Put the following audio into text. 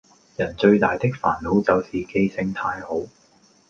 人最大的煩惱就是記性太好